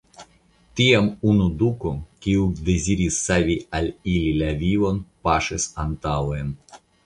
Tiam unu duko, kiu deziris savi al ili la vivon, paŝis antaŭen.